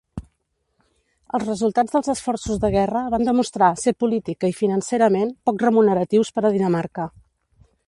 Els resultats dels esforços de guerra van demostrar ser política i financerament poc remuneratius per a Dinamarca.